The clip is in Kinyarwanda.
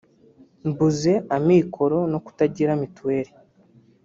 mbuze amikoro no kutagira mituweri